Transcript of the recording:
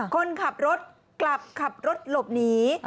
คนขับรถกลับขับรถหลบหนี